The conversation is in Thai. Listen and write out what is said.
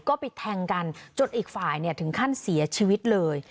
ก็ไปแทงกันจนอีกฝ่ายถึงขั้นเสียชีวิตเลย